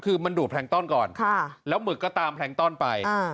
คือมันดูดแพลงต้อนก่อนแล้วหมึกก็ตามแพลงต้อนไป